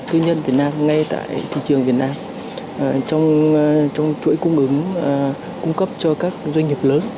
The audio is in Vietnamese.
tuy nhiên doanh nghiệp fdi vẫn chưa có được tư nhân việt nam ngay tại thị trường việt nam trong chuỗi cung ứng cung cấp cho các doanh nghiệp lớn